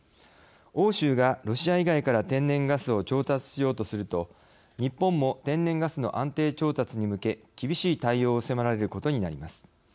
欧州がロシア以外から天然ガスを調達しようとすると日本も天然ガスの安定調達に向け厳しい対応を迫られることになります。